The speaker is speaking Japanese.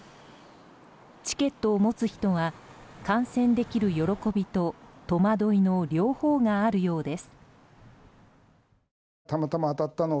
チケットを持つ人は観戦できる喜びと戸惑いの両方があるようです。